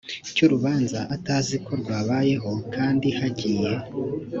cy urubanza atazi ko rwabayeho kandi hagiye